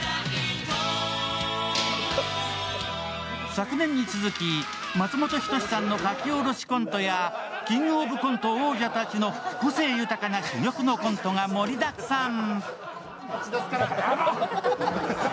昨年に続き、松本人志さんの書き下ろしコントやキングオブコント王者たちの個性豊かな珠玉のコントが盛りだくさん。